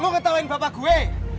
lu ketawain bapak gue